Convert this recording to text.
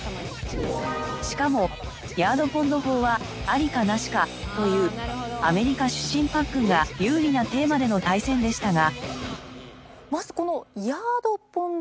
しかもヤード・ポンド法は「アリ」か「ナシ」かというアメリカ出身パックンが有利なテーマでの対戦でしたが。